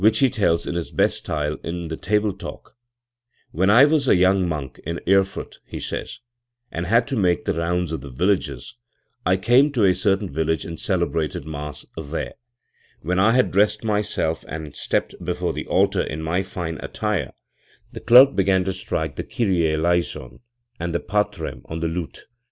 27 he tells in his best style in the Table Talk: "When I was a young monk in Erfurt", he says, "and had to make the rounds of the villages, I came to a certain village and cel ebrated mass there, When I had dressed myself and stepped before the altar in my fine attire, the clerk began to strike the Kyrie deison and the Patrem on the lute.